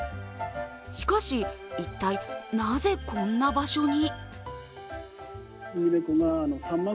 しかし、一体なぜこんな場所に？